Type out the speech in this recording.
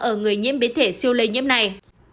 ở người nhiễm biến thể siêu lây nhiễm này